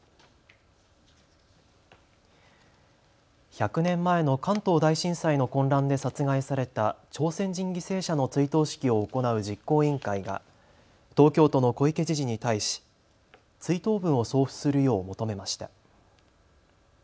１００年前の関東大震災の混乱で殺害された朝鮮人犠牲者の追悼式を行う実行委員会が東京都の小池知事に対し追悼文を送付するよう求めました。